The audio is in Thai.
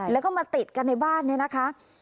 แล้วก็มาติดกันในบ้านเนี่ยนะคะ